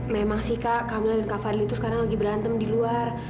memang sih kak kamil dan kak fadli itu sekarang lagi berantem di luar